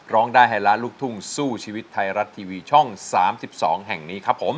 ร้องได้ให้ล้านลูกทุ่งสู้ชีวิตไทยรัฐทีวีช่อง๓๒แห่งนี้ครับผม